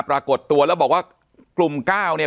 ปากกับภาคภูมิ